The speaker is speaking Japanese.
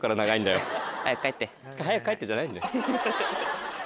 「早く帰って」じゃないんだよ。